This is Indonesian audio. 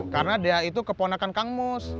karena dia itu keponakan kangus